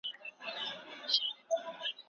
موږ بايد خپل ماشومان سم وروزلو.